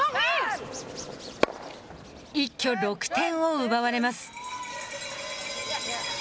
一挙６点を奪われます。